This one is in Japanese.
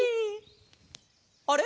あれ？